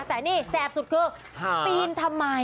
แต่นี่แสบสุดคือปีนทำไม